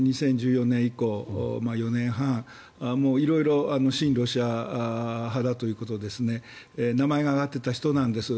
２０１４年以降４年半色々、親ロシア派だということで名前が挙がっていた人なんです。